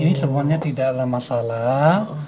ini semuanya tidak ada masalah